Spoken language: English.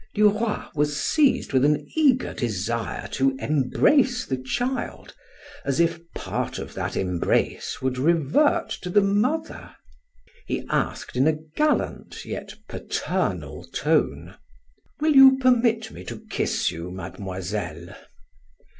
Duroy was seized with an eager desire to embrace the child, as if part of that embrace would revert to the mother. He asked in a gallant, yet paternal tone: "Will you permit me to kiss you, Mademoiselle?"